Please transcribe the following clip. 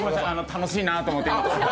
楽しいなと思って。